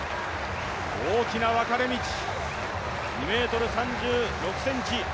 大きな分かれ道、２ｍ３６ｃｍ。